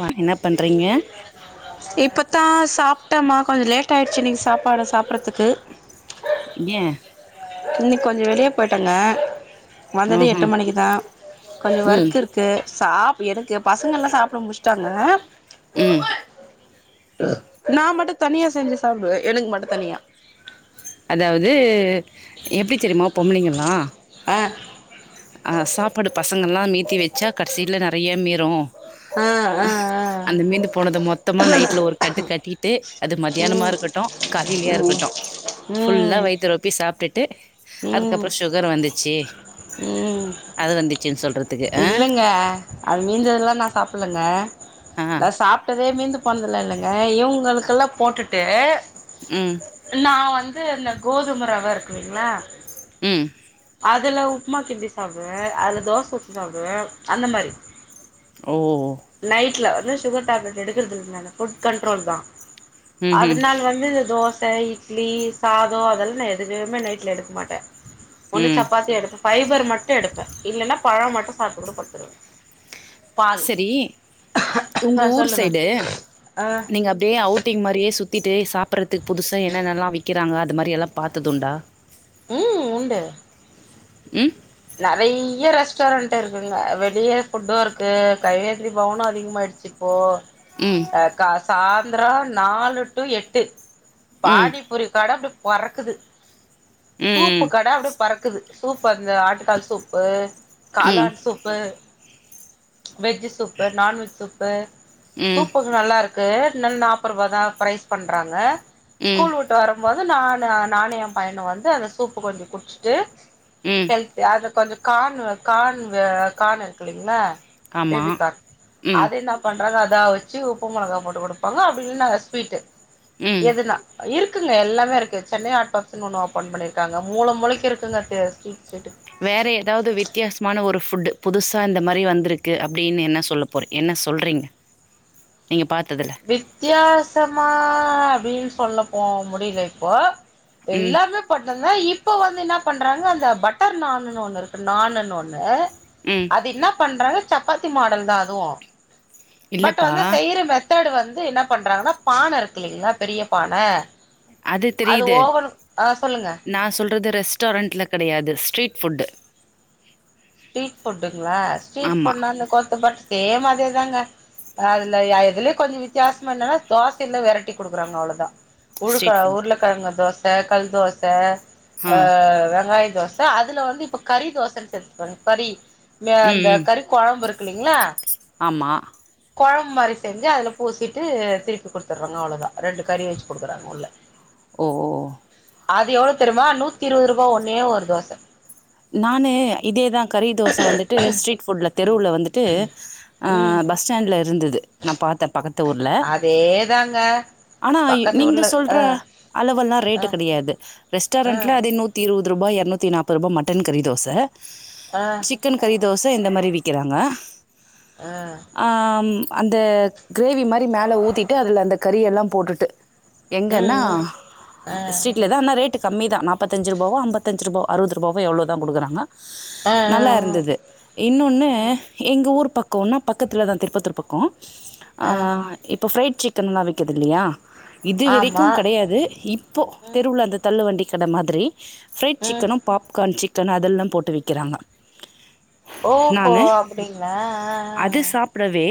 வா என்ன பண்றீங்க இப்பத்தா சாப்டமா கொஞ்சோ லேட் ஆயிடுச்சி இன்னைக்கு சாப்பாட சாப்பட்றதுக்கு ஏயே இன்னைக்கு கொஞ்ச வெளிய போயிட்டேங்க வந்தது எட்டு ம்ஹும் மணிக்குதா கொஞ்ச ம் ஒர்க் இருக் கு சா எனக்கு பசங்கல்லா சாப்டு முடிச்ட்டாங்க ம் நா மட்டு தனியா செஞ்சு சாப்டுவே எனக்கு மட்டு தனியா அதாவது எப்டி தெரிமா பொம்லைங்கலா அ அ சாப்பாடு பசங்கல்லா மீத்தி வச்சா கடசில நெறைய மீறு ஆ ஆ ஆ அந்த மீந்து போனத மொத்தமா நைட்ல ஒரு கட்டு கட்டிட்டு அது மத்தியானமா ம் இருக்கட்டு காலைலியா இருக்கட்டு ஃபுல்லா ம் ம் வைத்த ரொப்பிட் தப்பி சாப்ட்டுட்டு ம் அதுக்கப்ற சுகர் வந்துச்சு ம் அது வந்துச்சுன்னு சொல்றது இல்லங்க அது மீந்ததெல்லா நா சாப்லங்க ஆ நா சாப்ட்டதே மீந்து இல்லங்க இவுங்களுக்கல்லா போட்டுட்டு ம் நா வந்து இந்த கோதும ரவ இருக்குங்ள ம் அதுல உப்மா கிண்டி சாப்டுவே அதுல தோச ஊத்தி சாப்டுவே அந்த மாரி ஓ நைட்ல வந்து சுகர் டேப்லெட் எடுக்றது இல்ல ஃபுட் கண்ட்ரோல்தா ம்ஹும் அதனால வந்து இந்த தோச இட்லி சாதோ அதெல்லா நா எதுமே நைட்ல எடுக்க மாட்டே ஒன்னு ம் ம் சப்பாத்தி எடுப்பே ஃபைபர் மட்டு எடுப்பே இல்லன்னா பழோ மட்டு சாப்ட்டு கூட படுத்துருவே பால் சரி ஒங்க ஆ ஊரு சொல்லுங்க சைடு ஆ நீங்க அப் டே அவுட்டிங் மாரியே சுத்திட்டு சாப்ட்ரதுக்கு புதுசா என்னென்னெல்லா விக்குராங்க அது மாரி எல்லா பாத்ததுண்டா ம் உண்டு ம் நெறைய ரெஸ்டாரண்ட் இருக்குங்க வெளிய ஃபுட்டு இருக்கு கையேந்தி பவனு அதிகமாயிடுச்சு இப்போ ம் அ க சாந்ரோ நாலு டு எட்டு ம் பாடி ஒரு கடை அப்டி பறக்குது சூப்பு ம் கட அப்டி பறக்குது சூப் அந்த ஆட்டு கால் சூப்பு ம் காளான் soup veg soup non veg soup ம் சூப்பு நல்லாருக்கு என்ன நாப்பருபாதா ப்ரைஸ் பண்றாங்க ம் ஸ்கூல் விட் டு வரும்போது நானு நானு எ பையனு வந்து அந்த சூப்பு கொஞ்ச குடிச்சுட்டு ம் அது கொஞ்ச கான் கான் கான் இருக்குல்லலைங்ளா ஆமா பேபிகான் ம் அத என்ன பண்றாங்க அதா வச்சு உப்பு மெளகா போட்டு கொடுப்பாங்க அப்டி இல்லனா ஸ்வீட் ம் எதுனா இருக்குங்க எல்லாமே இருக்கு சென்னை ஹாட் பாக்ஸ்ன்னு ஒண்ணு ஓப்பன் பண்ணிருக்காங்க மூல மூளைக்கு இருக்குங்க ஸ்ட்ரீட்க்கு ஸ்ட்ரீட் வேற ஏதாது வித்தியாசமான ஒரு ஃபுட்டு புதுசா இந்த மாரி வந்திருக்கு அப்டின்னு என்ன சொல்ல போரிங் என்ன சொல்றிங்க நீங்க பாத்ததுல வித்தியாசமா அப்டின்னு சொல்ல போ முடில இப்போ ம் எல்லாமே பட்டந்த இப்போ வந்து இன்னா பண்றாங்க அந்த பட்டர் நான்ன்னு ஒண்ணு இருக்கு நானுன்னு ஒண்ணு ம் அது இன்னா பண்றாங்க சப்பாத்தி மாடல்தா அதுவு பட் இல்லப்பா வந்து செய்ற மெத்தட் மெத்தேர்டு வந்து என்ன பண்றாங்கன்னா பானை இருக்கு இல்லங்களா பெரிய பானை அது தெரியுது சொல்லுங்க நா சொல்றது ரெஸ்டாரண்ட்ல கெடையாது ஸ்ட்ரீட் ஃபுட்டு ஸ்ட்ரீட் ஃபுட்டுங்களா ஸ்ட்ரீட் ஆமா ஃபுட்னா அந்த கொத்து பட் சேம் அதேதாங்க அதுல எதுலய கொஞ்சோ வித்தியாசமா என்னன்னா தோசைல வெரைட்டி குடுக்குறாங்க அவ்ளோதா உருக்கள ஸ்ட்ரீட் ஃபுட் உருளக்கிழங்கு தோச கல் தோச ஆ வெங்காய தோச த அதுல வந்து இப்ப கறி தோசைன்னு சேத்துப்பாங்க கறி ம ம் அந்த ம் கறி கொழம்பு இருக்கு இல்லீங்ளா ஆமா கொழம்புமாரி செஞ்சு அதுல பூசிட்டு திருப்பி குடுத்துடுறாங்க அவ்ளோதா ரெண்டு கறி வச்சு குடுக்குறாங்க உள்ள ஓஓ அது எவ்ளோ தெரிமா நூத்தி இருவதுரூபா ஒன்னே ஒரு தோச நானு இதே தா கறி தோச வந்துட்டு ஸ்ட்ரீட் ஃபுட்ல தெருவுல வந்துட்டு அ ம் பஸ் ஸ்டாண்ட்ல இருந்துது நா பாத்தே பக்கத்து ஊர்ல அதேதாங்க ஆனா பக்கத்து நீங்க ஊர்ல சொல்ற ஆ அளவெல்லா ரேட்டு ஆ கெடையாது ஆ ரெஸ்டாரெண்ட்ல அதே நூத்தி இருவது ருபா இரநூத்தி நாப்ப ரூபா மட்டன் கறி தோச அ சிக்கன் கறி தோச இந்த மாரி விக்கிறாங்க ஆ ஆ ம் அந்த கிரேவி மாரி மேலே ஊத்திட்டு அதுல அந்த கறி எல்லா போட்டுட்டு எங்கன்னா ம் ம் ஆ ஸ்ட்ரீட்ல தா ஆனா ரேட்டு கம்மி தா நாப்பத்தஞ்சு ரூபாவோ அம்பத்தஞ்சு ரூபா அறுபது ரூபாவோ எவ்ளோ தா குடுக்குறாங்க ஆ நல்லா ம் இருந்தது இன்னொன்னு ம் எங்க ஊர் பக்கோனா பக்கத்துலதா திருப்பத்தூர் பக்கோ ஆ இப்போ ஃப்ரைட் சிக்கன்ல்லா விக்குது இல்லையா இது வரக்கு ஆமா கிடையாது இப்போ ம் தெருவுல அந்த தள்ளு வண்டி கட மாதிரி ஃபிரைட் ம் சிக்கனு கான் சிக்கன் அதெல்லா போட்டு விக்கிறாங்க ஓஹோ நானு அப்டிங்களா ஆ அது ஆ சாப் க்கவே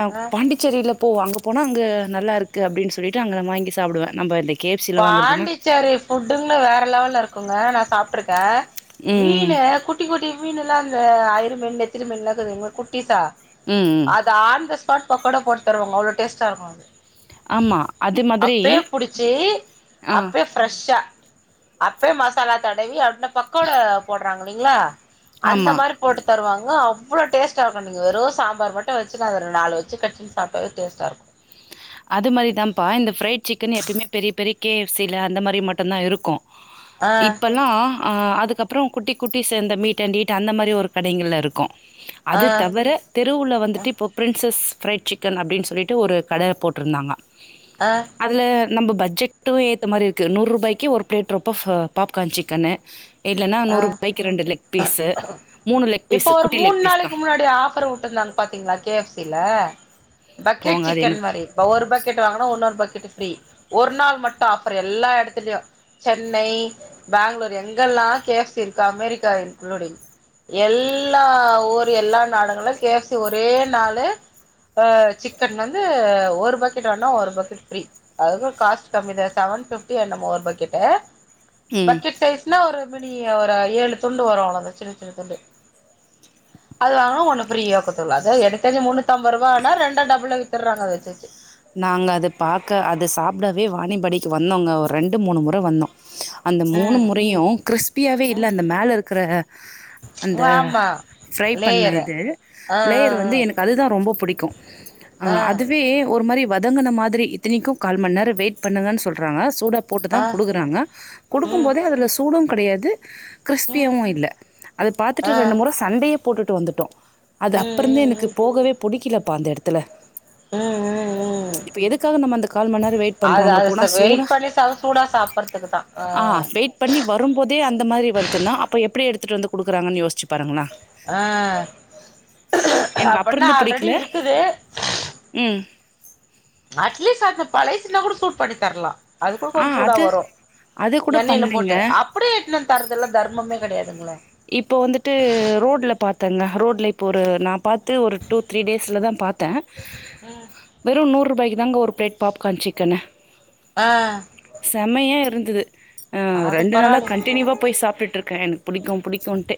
அம் ஆ பாண்டிச்சேரில போ அங்க போனா அங்க நல்லாருக்கு அப்டின்னு சொல்லிட்டு அங்க வாங்கி சாப்டுவே நம்ப லே பாண்டிச்சேரி ஃபுட்டுங்க வேற லெவல்ல இருக்குங்க நா சாப்ட்ருக்கே ம் ம் மீனு குட் குட்டி குட்டி மீனுலா அந்த அயிர மீன் நெத்திலி மீன்லா சொல்விங்ள குட்டிசா ம் ம் அது ஆந்தஸ் பாட் பக்கோடா போட் தருவாங்க அவ்ளோ டேஸ்ட்டா இருக்கு அது ஆமா அது மாதிரி அப்பயே புடிச்சி ஆ அப்பே ஃப்ரெஷ்ஷா அப்பே மசாலா தடவி அப்ன பக்கோட போட்றாங்க இல்லிங்ளா அந்த ஆமா மாரிப் போட்டு தருவாங்க அவ்ளோ டேஸ்டாக்கு நீங்க வெரு சாம்பார் மட்டு வச்சு நா அத ர நாலு வச்சு கட் சாப்டவே டேஸ்டா இருக்கு அது மாரி தாப்பா இந்த ஃப்ரைட் சிக்கன் எப்பியுமே பெரிய பெரிய கேஎஃப்சி ல அந்த மாரி மட்டுந்தா இருக்கு ஆ இப்பலா அ அதுக்கப்ற குட்டி குட்டி சேந்த மீட்டாண்டீட் அந்த மாரி ஒரு கடைங்கள்ல இருக்கு அது ஆ தவர தெருவுல வந்துட்டு இப்போ பிரின்சஸ் ஃப்ரைட் சிக்கன் அப்டின் சொல்லிட்டு ஒரு கட போட் ட்ருந்தாங்க அ அதுல நம்ம பஜ்ஜெட்டு ஏத்த மாரிருக்கு நூர் ரூபாய்க்கு ஒரு பிளேட் ரொப்ப ஃப பாப்கான் சிக்கனு இல்லனா ஆ நூர்ருபாய்க்கு ரெண்டு லெக் பீஸ்சு இப்போ ஒரு மூன் நாளைக்கு முன்னாடி ஆஃபர் வுட்ருந்தாங்க பாத்தீங்ளா கே எஃப் சி ல பக்கெட் போங்க அது சிக்கன் எனக்கு மாரி இப்ப ஒரு பக்கெட் வாங்கனா உன்னொரு பக்கெட் ஃப்ரீ ஒரு நாள் மட்டு ஆஃபர் எல்லா எடத்திலியு சென்னை பேங்ளூர் எங்கெல்லா கே எஃப் சி இருக்கு அமெரிக்கா இன்க்ளூடிங் எல்லா ஊர் எல்லா நாடுங்களு கே எஃப் சி ஒரே நாளு அ சிக்கன் வந்து ஒரு பக்கெட் வானா ஒரு பக்கெட் ஃப்ரீ அதுக்கு காஸ்ட் கம்மித செவன் பிப்டி என்னமோ ஒரு பக்கெட்டு ம் பக்கெட் சைஸ்னா ஒரு ப்படி ஒரு ஏழு துண்டு வரு அவ்ளோதா சின்ன சின்ன துண்டு அது வாங்கனா ஒன்னு ஃப்ரீயா குத்துல அத எடுத்தது முன்னூத்தம்பரூபானா ரெண்ட டபுள வித்துறாங்க அத வச்சு நாங்க அத பாக்க அத சாப்டவே வாணியம்பாடிக்கு வந்தோங்க ஒர் ரெண்டு மூணு முற வந்தோ அந்த மூணு ம் முறையு க்ரிஸ்பியாவே இல்ல அந்த மேலருக்குற வாம்மா ஃப்ரை பண்ண இது லேயர் வந்து எனக்கு அதுதா ரொம்ப புடிக்கு ஆ அதுவே ஒரு மாரி வதங்குன மாதிரி இத்தனைக்கு கால் மண் நேர வெயிட் பண்ணுங்கன் சொல்றாங்க சூடாப் போட்டுதா ஆ ஆ குடுக்குறாங்க குடுக்கும் ம் போதே அதுல சூடு கெடையாது ம் க்ரிஸ்பியாவு இல்ல அத ஆ பாத்துட்டு ரெண்டு முற சண்டையே போட்டுட்டு வந்துட்டோ அது ம் அப்பறந்தே ம் எனக்கு போகவே புடிக்கலப்பா அந்த எடத்துல அ அ அ ம் இப்ப எதுக்காக நம்ம அந்த கால் மண் நேரோ வெயிட் பண்றோ அது அங்க அது போனா சர் சூடா வெயிட் பண்ணி சாப்ப சூடா சாப்பறதுக்குதா அ ஆ வெயிட் பண்ணி வரும்போதே அந்த மாரி வருதுன்னா அப்ப எப்டி எடுத்துட்டு வந்து குடுக்குறாங்கன் யோஸ்ச் ஆ எனக்கு அப்ப அப்புட்னா இருந்து ஆல்ரெடி புடிக்கல இருக்குது ம் அட்லீஸ்ட் அந்த பழைசு இருந்தா கூட சூட் பண்ணி தர்லா அது கூட ஆ கொஞ்ச சூடா அது வரு அது கூட எண்ணெய்ல பண்லைங்க போட்டு அப் அப்டியே எட்துனுவந்து தர்றதுலா தர்மமே கெடையாதுங்ளே இப்போ வந்துட்டு ரோட்ல பாத்தங்க ரோட்ல இப்போ ஒரு நா பாத்து ஒரு டூ த்ரீ டேஸ்லதா பாத்தே அ வெறு நூறுபாய்க்குதாங்க ஒரு பிளேட் பாப்கான் சிக்கனு அ செமையா இருந்தது அ அது ரெண்டு நாளா பரவாயில்லைங்களே கண்டினியூவா போய் சாப்டுட்ருக்க எனக் புடிக்கு புடிக்குன்ட்டு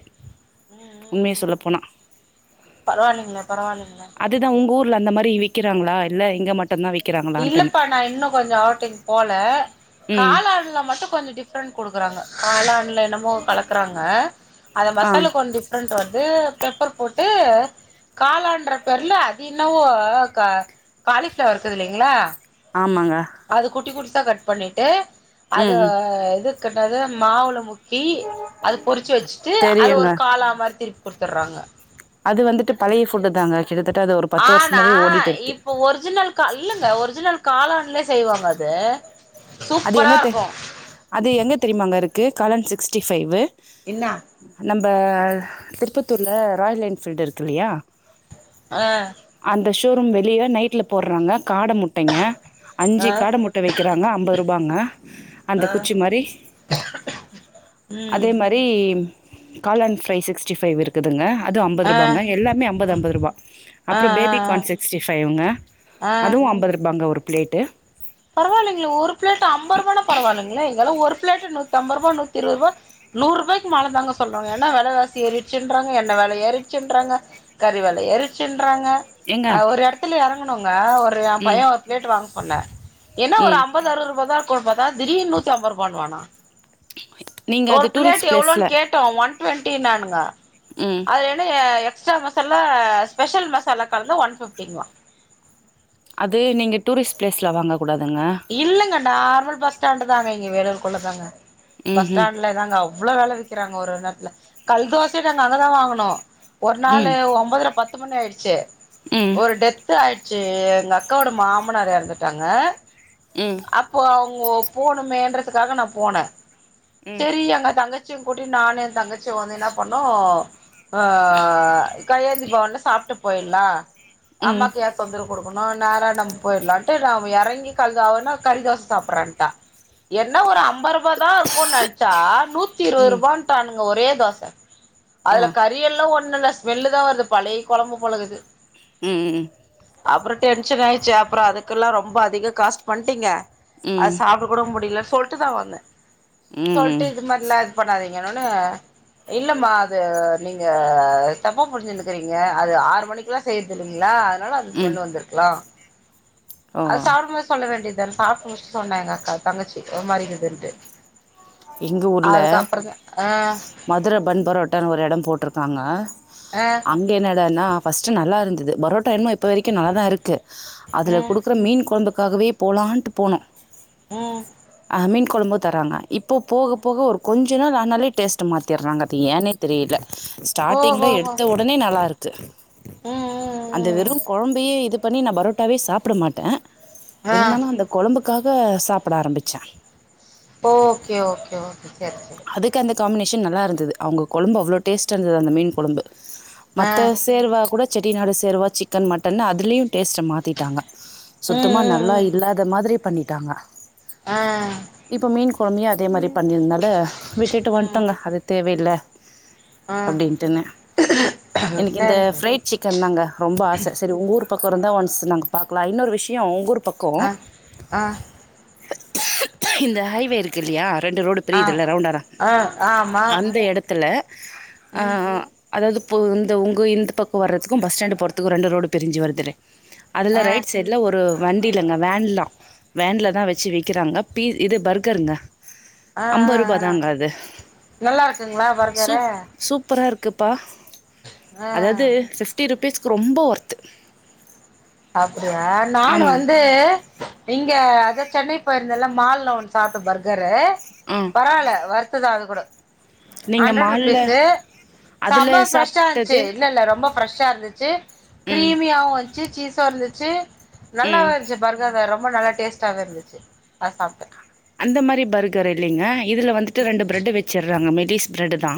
ம் உண்மைய ம் ம் சொல்லப்போனா பரவாயில்லைங்களே பரவாயில்லைங்களே அத் துதா ம் உங்க ஊர்ல அந்த மாரி விக்கிறாங்களா இல்ல இங்க மட் டுந்தா விக்கிறாங்க இல்லப்பா நா இன்னுகொஞ்சோ அவ்ட்டிங் போல ம் காளாண்ல மட்டு கொஞ்சொ டிஃப்ரண்ட் குடுக்குறாங்க காளாண்ல என்ன ம்மோ கலக்குறாங்க அத ஆ மசாலு கொன் டிஃப்ரண்ட் வந்து பெப்பர் போட்டு காளான்ர பேர்ல அது இன்னவோ க காலிஃப்ளவர் இருக்குதுளிங்ளா ஆமங்க அது குட்டி குட்டிசா கட் பண்ணிட்டு அது ம் ம் இதுக் கென்னாது மாவுல முக் கி அது பொறுச்சு வச்சுட்டு அது தெரியுங்க ஒரு காளா மாரி திருப்பி குடுத்துற்றாங்க அது வந்துட்டு பழைய ஃபுட்டு் தாங்க கிட்டத்தட்ட அது ஒரு பத்து வருஷமாவே ஓடிட்ருக்கு இருந்தாலு கல்லுங்க ஒரிஜினல் காளான்லே செய்வாங்க அது அது சூப்பரா எங்க தெ இருக்கு அது எங்க தெரியுமாங்க இருக்கு காளான் சிக்ஸ்டி ஃபைவு என்னா நம்ப திருப்பத்தூர்ல ராயல் என்ஃபீல்டு இருக்கில்லையா அ அந்த ஷோரூம் வெளிய தா நைட்ல போற்றாங்க காட முட் டங்க அஞ்சு ஆ காட முட்ட வக்கிறாங்க அம்பது ருபாங்க அந்த ஆ குச்சி மாரி ம் அதே மாரி ரி காளின் பிரை சிக்ஸ்டி ஃபைவ் இரு குதுங்க அது அம்பது ஆ ருபாங்க எல்லாமே அம்பது அம்பது ருபா ஆ அப்ரோ ஆ பேபி கார்ன் சிக்ஸ்ட்டி ஃபைவ்ங்க ஆ ஆ அதுவு அம்பது ருபாங்க ஒரு பிளேட்டு பரவாலிங்கலே ஒரு பிளேட் அம்பருவான்னா பரவாலிங்கலே இங்கல்லா ஒரு பிளேட்டு நூத்தம்பருவா நூத்திருவருவா நூர் ரூபாய்க்கு மேல தாங்க சொல்றாங்க ஏன்னா வெலவாசி ஏறிச்சுன்றாங்க எண்ண வெல ஏறிச்சுன்றாங்க கறிவெல ஏறிருச்சுன்றாங்க ஏங்க பஸ்ல இறங்கணோங்க ஒரு என் ம் பையன் ஒரு பிளேட் வாங்க சொன்னே ம் அம்பது அருவதூருவாதாஇருக்கும் பாத்தா திடீர்னு நூத்திம்பதூண்ணுவான்னா நீங்க ஒரு அது பிளேட் டூரிஸ்ட் எவ்ளோன் பிளேஸ்ல கேட்டோ ஒன் டுவெண்டி நானுங்க ம் அது என்ன எக்ஸ்ட்ரா மசாலா ஸ்பெஷல் மசாலா கலந்தா ஒன் ஃபிப்டிங்ளா அது நீங்க டூரிஸ்ட் ப்ளேஸ்ல வாங்க கூடாதுங்க இல்லங்க நார்மல் பஸ்டாண்டு தாங்க இங்கே வேலுர்க்குள்ள தாங்க ம் பஸ்டாண்ட்ல தாங்க ஆகு எவ்ளோ வெலை விக்கிறாங்க ஒரு ஒரு நேரத்துல கல் தோசையே நாங்க அங்கதா வாங்குணோ ஒரு ம் நாளு ம் ஒம்பதரை பத்து மணி ஆயிடுச்சு ம் ஒரு டெத் து ஆயிடுச்சு எங்க அக்காவோட மாமனார் எறந்துட்டாங்க ம் அப்போ அவுங்கோ போனுமேன்றதுக்காக நா போனே ம் சேரி அங்க தங்கச் ச்சியும் கூட்டி நானு என் தங்கச்சியு வந்து என்ன பண்ணோ ஆ கையேந்தி பவன்ல சாப்ட்டு போயிடலா ம் அம்மாக்கு ஏ தொந்தரவு குடுக்கணு நேரா நம்ம போயிடலாட்டு நா இறங்கி கழுதாஒன்னு கறிதோச சாப்றேன்டா என்ன ஒரு அம்பரு பதா இருக்கும்னு நெனைச்சா நூத்தி ம் இருபது ம் ரூபான்டானுங்க ஒரே தோசை ஆ அதுல கறி றியெல்லா ஒண்ணு இல்ல ஸ்மெல்லுதா வருது பழைய குழம்பு போலருக்குது ம் அப்றோ டென்ஷன் ஆயிச்சு அப்றோ அதுக்கெல்லா ரொம்ப அதிக காஸ்ட் பண்ணிட்டீங்க ம் அது சாப்ட கூட முடியல சொல்ட்டுதா வந்தே ம் சொல்ட்டு ம் இது மாரி எல்லாம் இது பண்ணாதீங்கன்னோன்னே இல்லம்மா அது நீங்க தப்பா புரிஞ்சிட்ருக்கிறீங்க அது ஆறு மணிகுள்ள செய்றது இல்லைங்களா அதனால அந்த ம் ஸமெல்லு வந்திருக்கலா ஓ அதை சாப்டம்போது சொல்ல வேண்டியதான சாப்டு முடுச்சட்டு சொன்னா எங்க அக்கா தங்கச்சி ஒரு மாதிரிஇருக்குதுன்டு அதுக்கப்புறந்தா அ மதுர பன் பரோட்டான்னு ஒரு எடம் போட்ருக்காங்க ஆ அங்கே என்னடான்னா ஃபஸ்டு நல்லாருந்தது பரோட்டா என்ன இப்போ வரைக்கு நல்லதா இருக்கு அதுல ம் குடுக்குற மீன் கொழம்புக்காகவே போலான்ட்டு போனோ ம் ஆ மீன் கொழம்பு தராங்க இப்போ போக போக ஒரு கொஞ்ச நாள் ஆனாலே டேஸ்ட்ட மாத்திறாங்க அது ஏன்னே தெரியல ஓ ஸ்டார்டிங்ல ஹோ ஹோ எடுத்த உடனே நல்லாருக்கு அந்த ம் ம் வெறும் கொழம்பையே இது பண்ணி நா பரோட்டாவே சாப்ட மாட்டே ம் ஆ இருந்தாலு அந்த கொழம்புக்காக சாப்ட ஆரம்பிச்சே ஓகே ஓகே ஓகே சரி சரி அதுக்கு அந்த காமினேஷன் நல்லா இருந்தது அவுங்க கொழம்பு அவ்ளோ டேஸ்டா இருந்தது அந்த மீன் கொழம்பு ஆ மத்த சேர்வா கூட செட்டிநாடு சேர்வா சிக்கன் மட்டன்னு அதுலயு டேஸ்ட்ட மாத்திட்டாங்க சுத்தமா ம் நல்லா ம் இல்லாத மாதிரி பண்ணிட்டாங்க ஆ இப்ப மீன் கொழம்பையும் அதே மாரி பண்ணிருந்தனால விட்டுட்டு ம் வன்ட்டேங்க அது தேவையில்ல ஆ அப்டின்ட்டுனு எனக்கு இந்த சரிங்க ஃப்ரைட் சிக்கன் தாங்க ரொம்ப ஆச சேரி உங்க ஊர் பக்கம் இருந்தா ஒன்ஸ் நாங்க பாக்கலா இன்னொரு விஷயம் உங்க ஊர் பக் கம் ஆ ஆ இந்த ஹைவே இருக்கு இல்லையா ரெண்டு ரோடு ஆ பிரியுதுல்ல ரவுண்டானா ஆ ஆமா அந்த எடத்துல ஆ ம் அதாவது இப்போ இந்த உங்க இந்த பக்கம் வர்றதுக்கும் பஸ் ஸ்டாண்டு் போறதுக்கும் ரெண்டு ரோடு பிரிஞ்சு வருதுல ஆ அதுல ஆ ரைட் சைடுல ஒரு வண்டிலங்க வேன்லா வேன்ல தா வச்சு விக்கிறாங்க பீ இது பர்கருங்க ஆ அம்பது ரூபா தாங்க அது நல்லா இருக்குங்ளா பர்கரு சூப் சூப்பரா இருக்குப்பா ஆ அதாவது ஃபிப்ட்டி ருபீஸ்க்கு ரொம்ப ஒர்த்து சாப்டுவே நானு ஆமாங் வந்து இங்க அதா சென்னை போயிருந்தேல மால்ல ஒண்ணு சாப்ட்டே பர்கரு ம் பரவால ஒர்த்து தா அது கூட நீங்க ஹண்ட்ரடு மால்ல ருபீஸ்சு அதுல செம ஃப்ரெஷ்ஷா இருந்துச்சு சாப்ட்டது இல்ல இல்ல ரொம்ப ஃப்ரெஷ்ஷா இருந்துச்சு ம் கிரீமியாவு இர்ச்சு சீஸ்சு இருந்துச்சு ம் நல்லாவே இருச் பர்கருங்க ரொம்ப நல்லா டேஸ்ட்டாவே இருந்துச்சு அத சாப்ட்டே அந்த மாரி பர்கர் இல்லைங்க இதுல வந்துட்டு ரெண்டு ப்ரெட்டு் வச்சிறாங்க மெடிஸ் ப்ரெட்டு் தா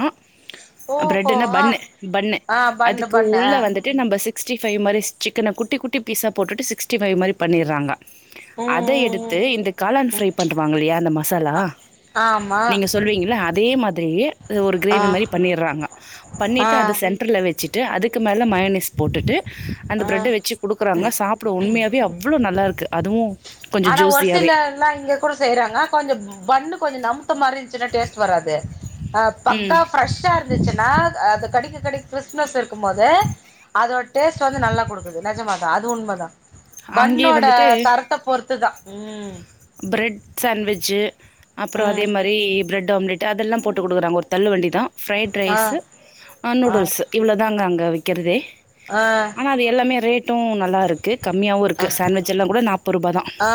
ஓஹோ ப்ரெட்டுனா ஆ பண்ணு பண்ணு ஆ பண்ணு அதுக்கு பண்ணு உள்ள ஆ வந்துட் டு நம்ம சிக்ஸ்டி ஃபைவ் மாரி சிக்கன குட்டி குட்டி பீஸா போட்டுட்டு சிக்ஸ்டி ஃபைவ் மாரி பண்ணிறாங்க அத ம் ம் எடுத்து ம் இந்த காளான் ஃப்ரை ம் பண்ணுவாங்க இல்லையா இந்த மசாலா அ ஆமா நீங்க சொல்வீங்கள்ல அதே மாதிரி ஒரு ஆ கிரேவி மாரி பண்ணிறாங்க ஆ பண்ணிட்டு அது சென் ருல வச்சுட்டு அதுக்கு மேலே மயோனஸ் போட்டுட்டு அந்த ஆ ப்ரெட்ட வச்சு குடுக்கறாங்க சாப் றோ உண்மையாவே அவ்ளோ நல்லாருக்கு அதுவு ஆனா ஒரு சிலர்லா இங்க கூட செய்றாங்க கொஞ்சோ பன் னு கொஞ்சோ நமுத்த மாரி இரு ந்துச்சுனா டேஸ்ட் வராது ஆ ம். பக்கா ஃப்ரெஷ்ஷா இருந்துச்சுன்னா அத கடிக்க கடிக் கிறிஸ்மஸ் இருக்கும் போது அதோட டேஸ்ட் வந்து நல்லா குடுக்குது நெஜமாதா அது உண்ம தா அங்கேயே பன்னோட வந்துட்டு தரத்த பொறுத்துதா ம் ப்ரெட் சாண்ட்விட்ச் அப்றோ அதே ம் மாரி ப்ரெட் ஆம்லெட் அதெல்லா போட்டு குடுக்குறாங்க ஒரு தள்ளு வண்டி தா ஃப்ரைட் ஆ ரைஸ்சு ஆ நூடுல்ஸ்சு இவ்ளோதாங்க அங்க விக்றதே ஆ ஆனா அது எல்லாமே ரேட்டு நல்லா இருக்கு கம்மியாவு இருக்கு சாண்ட்விச்லா கூட நாப்ரூபா தா ஆ